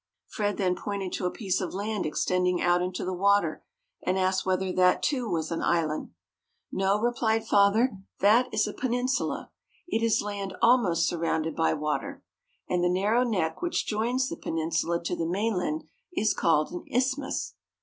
Fred then pointed to a piece of land extending out into the water, and asked whether that, too, was an island. "No," replied father, "that is a peninsula. It is land almost surrounded by water. And the narrow neck which joins the peninsula to the mainland is called an isthmus.